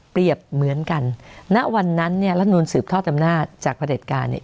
เปรียบเหมือนกันณวันนั้นเนี้ยละนุนสืบโทรธรรมนาจจากประเด็จการเนี่ย